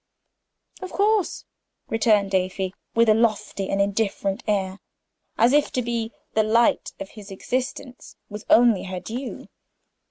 "Of course," returned Afy, with a lofty and indifferent air, as if to be "the light of his existence" was only her due.